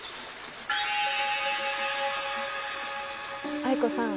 藍子さん